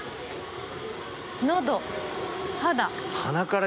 のど肌。